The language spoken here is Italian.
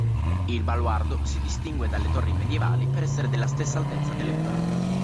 Il baluardo si distingue dalle torri medievali per essere della stessa altezza delle mura.